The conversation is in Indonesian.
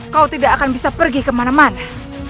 kau tidak akan bisa pergi kemana mana